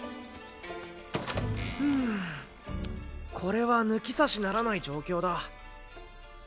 うんこれは抜き差しならない状況だ。